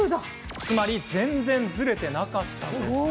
つまり全然ズレてなかったんです。